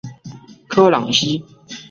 科朗西。